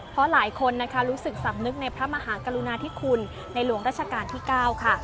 เพราะหลายคนนะคะรู้สึกสำนึกในพระมหากรุณาธิคุณในหลวงราชการที่๙ค่ะ